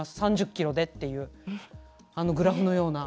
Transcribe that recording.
３０キロでって、グラフのような。